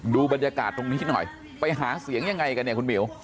ดูบรรยากาศตรงนี้หน่อยไปหาเสียงยังไงกันเนี่ยคุณหมิว